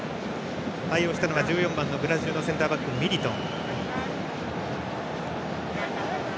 対応したのは１４番ブラジルのセンターバックのミリトン。